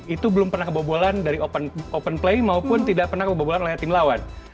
itu belum pernah kebobolan dari open play maupun tidak pernah kebobolan oleh tim lawan